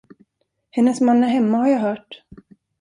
Hennes man är hemma, har jag hört.